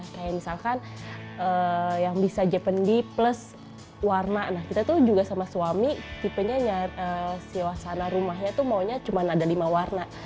kayak misalkan yang bisa japaney plus warna kita tuh juga sama suami tipenya siwasana rumahnya tuh maunya cuma ada lima warna